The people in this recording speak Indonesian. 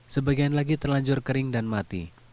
sebagian lagi terlanjur kering dan mati